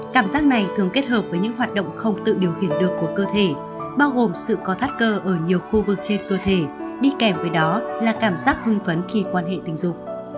cảm giác này thường kết hợp với những hoạt động không tự điều khiển được của cơ thể bao gồm sự có thác cơ ở nhiều khu vực trên cơ thể đi kèm với đó là cảm giác hưng phấn khi quan hệ tình dục